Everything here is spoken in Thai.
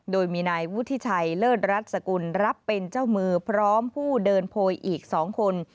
โดยมีนายวุฒิชัยเลิศรัฐสกุลรับเป็นเจ้ามือพร้อมผู้เดินโพยอีก๒คน